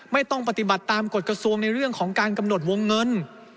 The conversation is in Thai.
ไม่ต้องปฏิบัติตามกฎกระทรวงในเรื่องของการกำหนดวงเงิน